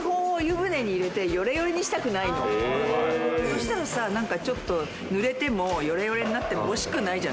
「そしたらさ何かちょっとぬれてもよれよれになっても惜しくないじゃない」